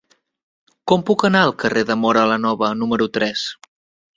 Com puc anar al carrer de Móra la Nova número tres?